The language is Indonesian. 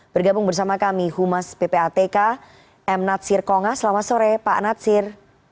bergabung bersama kami humas ppatk m natsir konga selamat sore pak natsir